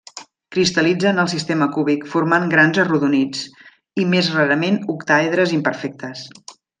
Cristal·litza en el sistema cúbic, formant grans arrodonits, i més rarament octàedres imperfectes.